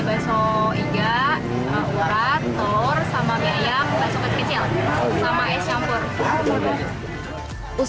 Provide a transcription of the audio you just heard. mereka menc fahren di kiosk sma untuk versi sumber dosis